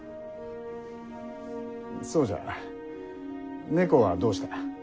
そうじゃ猫はどうした？